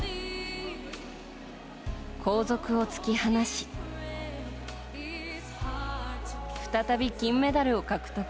後続を突き放し再び金メダルを獲得。